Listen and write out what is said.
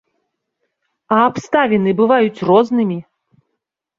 А абставіны бываюць рознымі!